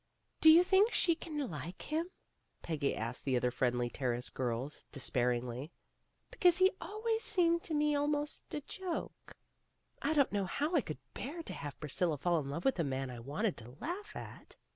"Do you think she can like him?" Peggy asked the other Friendly Terrace girls des pairingly. "Because he's always seemed to me almost a joke. I don't know how I could bear to have Priscilla fall in love with a man I wanted to laugh at."